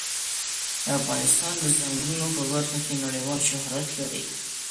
افغانستان د ځنګلونه په برخه کې نړیوال شهرت لري.